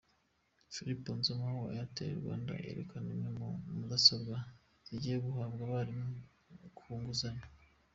Philip Onzoma wa Airtel Rwanda yerekana imwe muri mudasobwa zigiye guhabwa abarimu ku nguzanyo.